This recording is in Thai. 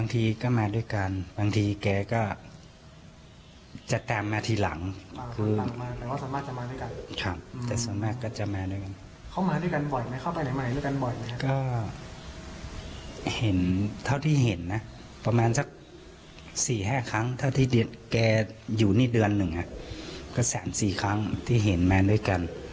แต่อยู่นี่เดือนหนึ่งก็แสน๔ครั้งที่เห็นมาด้วยกัน